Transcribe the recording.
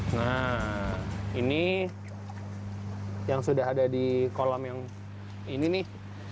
nah ini yang sudah ada di kolam yang ini nih